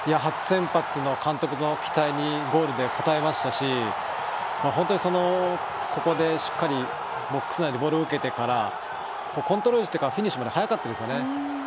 初先発の監督の期待にゴールで応えましたし本当にここでしっかりボックス内でボールを受けてからコントロールしてからフィニッシュまで早かったですよね。